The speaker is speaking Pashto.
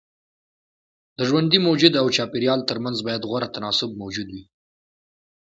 د ژوندي موجود او چاپيريال ترمنځ بايد غوره تناسب موجود وي.